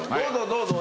どうぞ。